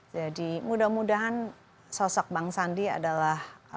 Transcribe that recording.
jadi mudah mudahan sosok bang sandi adalah